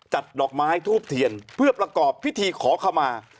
ดอกไม้ทูบเทียนเพื่อประกอบพิธีขอขมา